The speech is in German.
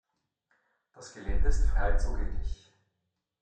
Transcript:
Das Gelände ist frei zugänglich.